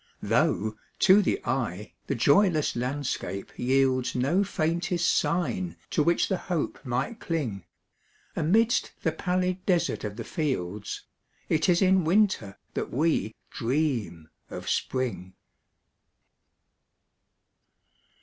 Though, to the eye, the joyless landscape yieldsNo faintest sign to which the hope might cling,—Amidst the pallid desert of the fields,—It is in Winter that we dream of Spring.